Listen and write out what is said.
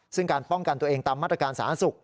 ซึ่งการป้องกันตัวเองตามมาตรการสาธารณสุข